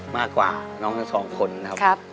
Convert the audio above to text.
มากกว่าน้องทั้งสองคนนะครับ